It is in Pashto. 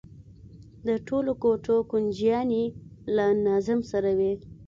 د ټولو کوټو کونجيانې له ناظم سره وي.